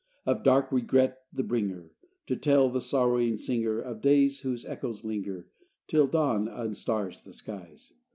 Of dark regret the bringer To tell the sorrowing singer Of days whose echoes linger, Till dawn unstars the skies.